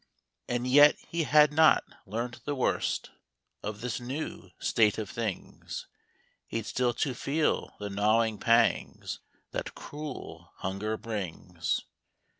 And yet he had not learnt the worst Of this new state of things ; He'd still to feel the gnawing pangs That cruel hunger brings.